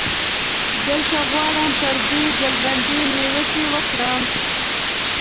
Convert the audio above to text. دلته غواړم پر دې ډلبندۍ نیوکې وکړم.